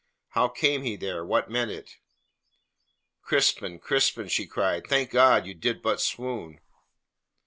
How came he there? What meant it? "Crispin, Crispin," she cried, "thank God you did but swoon!"